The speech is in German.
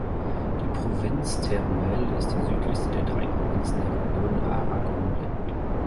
Die Provinz Teruel ist die südlichste der drei Provinzen der Region Aragonien.